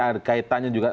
ada kaitannya juga